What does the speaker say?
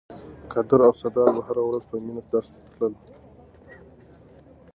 قادر او سردار به هره ورځ په مینه درس ته تلل.